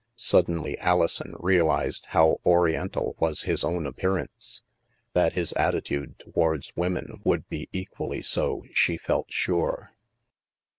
Suddenly Alison realized how oriental was his own appearance; that his attitude towards women would be equally so, she felt sure.